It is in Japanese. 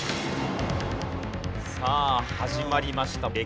さあ始まりました。